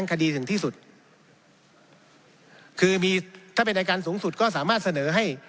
คดีถึงที่สุดคือมีถ้าเป็นอายการสูงสุดก็สามารถเสนอให้